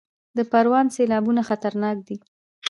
د پروان سیلابونه خطرناک دي